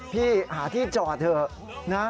พี่หาที่จอดเถอะนะ